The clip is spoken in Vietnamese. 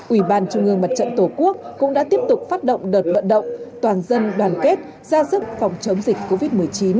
ủy ban trung ương mặt trận tổ quốc cũng đã tiếp tục phát động đợt vận động toàn dân đoàn kết ra sức phòng chống dịch covid một mươi chín